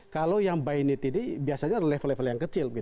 kalau yang by need ini biasanya level level yang kecil